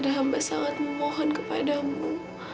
dan hamba sangat memohon kepadamu